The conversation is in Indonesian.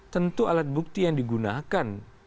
tentu alat bukti yang digunakan